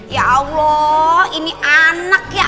ya allah ini anak ya